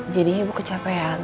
jadi ibu kecapean